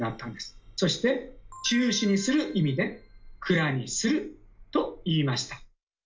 そして中止にする意味で「くらにする」と言いました。